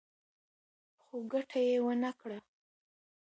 خو ګټه يې ونه کړه.